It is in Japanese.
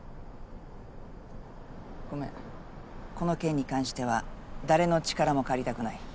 ごめんこの件に関しては誰の力も借りたくない。